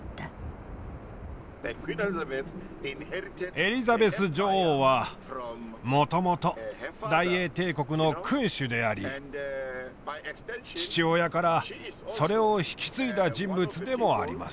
エリザベス女王はもともと大英帝国の君主であり父親からそれを引き継いだ人物でもあります。